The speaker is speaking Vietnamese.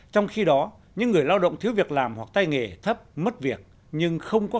trong khi đó những người lao động thiếu việc làm hoặc tay nghề thấp mất việc nhưng không có